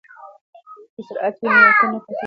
که سرعت وي نو واټن نه پاتې کیږي.